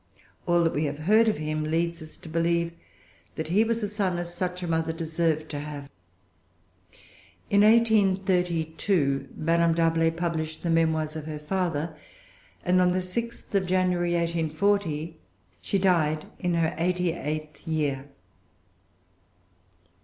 All that we have heard of him leads us to believe that he was a son as such a mother deserved to have. In 1832 Madame D'Arblay published the Memoirs of her father; and on the sixth of January, 1840, she died in her eighty eighth year.